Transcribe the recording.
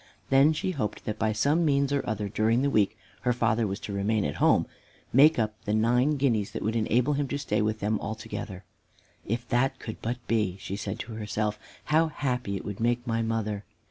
Then she hoped that by some means or other she might, during the week her father was to remain at home, make up the nine guineas that would enable him to stay with them altogether. "If that could but be," she said to herself, "how happy it would make my mother!